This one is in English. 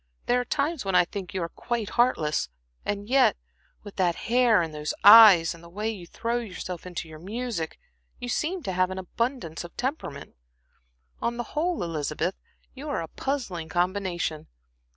There are times when I think you are quite heartless, and yet with that hair, and those eyes, and the way you throw yourself into your music, you seem to have abundance of temperament. On the whole, Elizabeth, you are a puzzling combination.